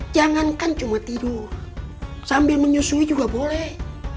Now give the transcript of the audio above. jangankan cuma tidur sambil menyusui juga boleh